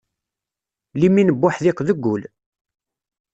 Limin n uḥdiq deg ul.